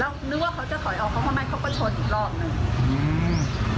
แล้วนึกว่าเขาจะถอยออกเขาทำไมเขาก็ชนอีกรอบหนึ่งอืม